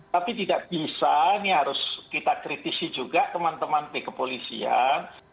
tapi tidak bisa ini harus kita kritisi juga teman teman di kepolisian